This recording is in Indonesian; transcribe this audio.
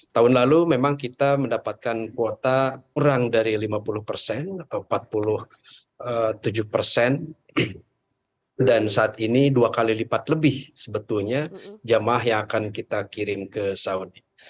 tahun lalu memang kita mendapatkan kuota kurang dari lima puluh persen atau empat puluh tujuh persen dan saat ini dua kali lipat lebih sebetulnya jemaah yang akan kita kirim ke saudi